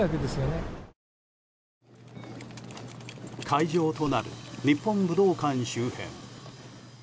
会場となる日本武道館周辺。